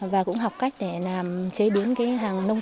và cũng học cách để làm chế biến hàng nông